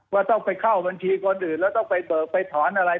ว่าต้องไปเข้าบัญชีคนอื่นแล้วต้องไปเบิกไปถอนอะไร